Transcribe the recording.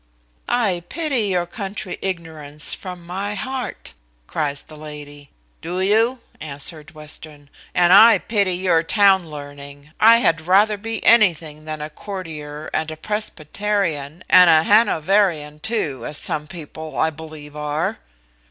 "I pity your country ignorance from my heart," cries the lady. "Do you?" answered Western; "and I pity your town learning; I had rather be anything than a courtier, and a Presbyterian, and a Hanoverian too, as some people, I believe, are."